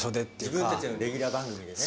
「自分たちのレギュラー番組でね